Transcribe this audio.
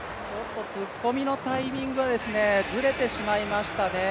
突っ込みのタイミングがずれてしまいましたね。